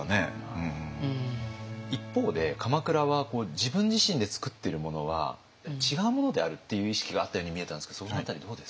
一方で鎌倉は自分自身で作ってるものは違うものであるっていう意識があったように見えたんですけどその辺りどうですか？